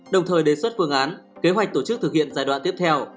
đồng thời đề xuất phương án kế hoạch tổ chức thực hiện giai đoạn tiếp theo